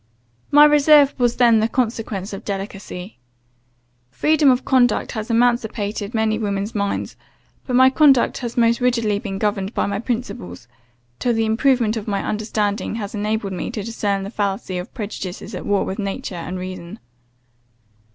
My reserve was then the consequence of delicacy. Freedom of conduct has emancipated many women's minds; but my conduct has most rigidly been governed by my principles, till the improvement of my understanding has enabled me to discern the fallacy of prejudices at war with nature and reason.